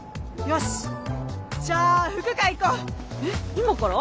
今から？